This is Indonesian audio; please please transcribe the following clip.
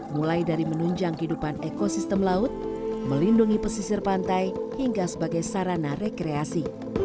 mulai dari menunjang kehidupan ekosistem laut melindungi pesisir pantai hingga sebagai sarana rekreasi